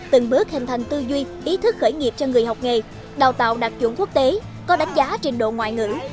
từng bước hình thành tư duy ý thức khởi nghiệp cho người học nghề đào tạo đặc trụng quốc tế có đánh giá trên độ ngoại ngữ